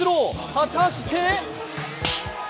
果たして？